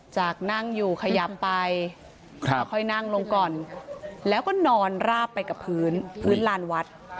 จากนั่งอยู่ขยับไปค่อยนั่งลงก่อนแล้วก็นอนราบไปกับพื้นพื้นลานวัด